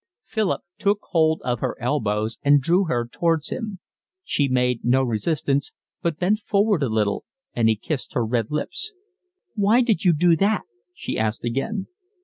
Philip took hold of her elbows and drew her towards him. She made no resistance, but bent forward a little, and he kissed her red lips. "Why did you do that?" she asked again.